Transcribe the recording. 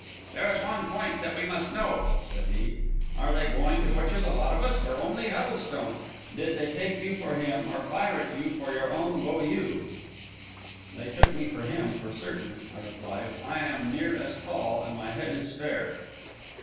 "There is one point that we must know," said he. "Are they going to butcher the lot of us, or only Huddlestone? Did they take you for him, or fire at you for your own beaux yeux?" "They took me for him, for certain," I replied. "I am near as tall, and my head is fair."